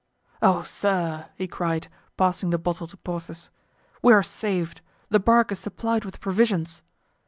"Oh, sir!" he cried, passing the bottle to Porthos, "we are saved—the bark is supplied with provisions."